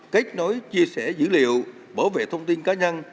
kết nối chia sẻ dữ liệu bảo vệ thông tin cá nhân